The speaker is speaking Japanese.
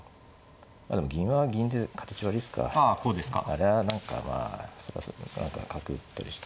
あれは何かまあ何か角打ったりして。